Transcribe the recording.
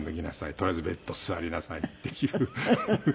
とりあえずベッド座りなさいっていうのを。